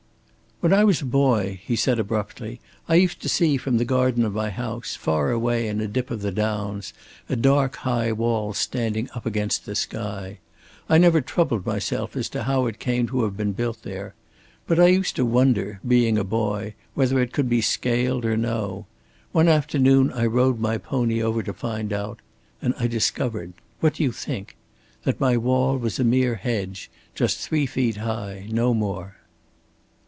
"When I was a boy," he said abruptly, "I used to see from the garden of my house, far away in a dip of the downs, a dark high wall standing up against the sky. I never troubled myself as to how it came to have been built there. But I used to wonder, being a boy, whether it could be scaled or no. One afternoon I rode my pony over to find out, and I discovered What do you think? that my wall was a mere hedge just three feet high, no more."